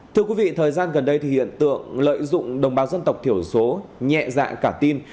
thưa quý vị thời gian gần đây thì hiện tượng lợi dụng đồng bào dân tộc thiểu số nhẹ dạ cả tin